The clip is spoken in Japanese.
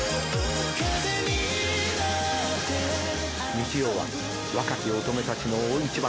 日曜は若き乙女たちの大一番桜花賞。